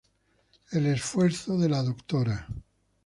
El esfuerzo de la Dra.